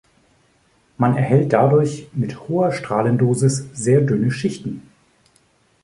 Man erhält dadurch mit hoher Strahlendosis sehr dünne Schichten.